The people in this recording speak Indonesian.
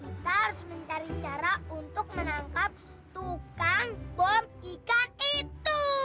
kita harus mencari cara untuk menangkap tukang bom ikan itu